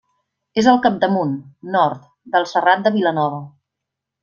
És al capdamunt, nord, del Serrat de Vilanova.